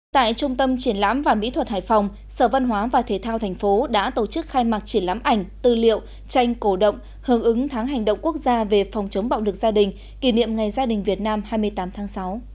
tại trung tâm triển lãm và mỹ thuật hải phòng sở văn hóa và thể thao thành phố đã tổ chức khai mạc triển lãm ảnh tư liệu tranh cổ động hướng ứng tháng hành động quốc gia về phòng chống bạo lực gia đình kỷ niệm ngày gia đình việt nam hai mươi tám tháng sáu